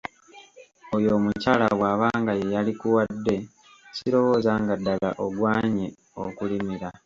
Oyo omukyala bw’aba nga ye yalikuwadde sirowooza nga ddala ogwanye okulimira.